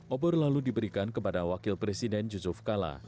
obor lalu diberikan kepada wakil presiden yusuf kala